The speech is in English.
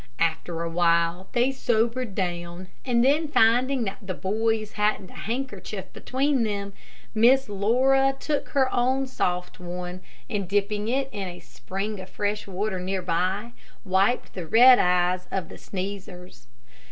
After a while they sobered down, and then finding that the boys hadn't a handkerchief between them, Miss Laura took her own soft one, and dipping it in a spring of fresh water near by, wiped the red eyes of the sneezers.